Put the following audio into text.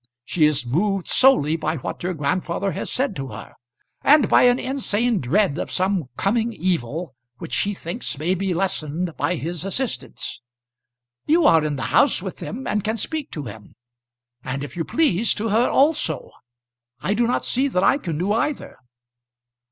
She is moved solely by what your grandfather has said to her, and by an insane dread of some coming evil which she thinks may be lessened by his assistance. You are in the house with them, and can speak to him, and if you please to her also. I do not see that I can do either."